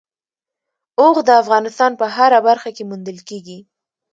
اوښ د افغانستان په هره برخه کې موندل کېږي.